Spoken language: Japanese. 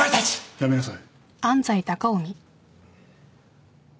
やめなさい。